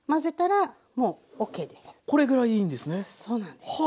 これぐらいいいんですね。